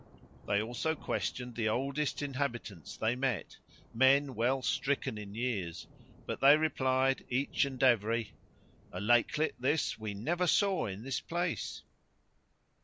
They also questioned the oldest inhabitants they met, men well stricken in years, but they replied, each and every, "A lakelet like this we never saw in this place."